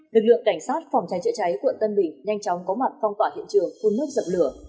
lực lượng cảnh sát phòng cháy chữa cháy quận tân bình nhanh chóng có mặt phong tỏa hiện trường phun nước dập lửa